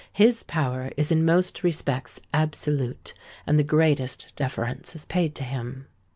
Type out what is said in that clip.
His power is in most respects absolute; and the greatest deference is paid to him.